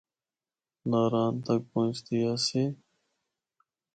ناران تک پہنچدی آسی۔